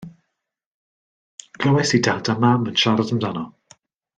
Glywais i dad a mam yn siarad amdano.